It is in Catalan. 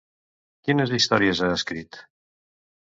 Quines històries ha escrit?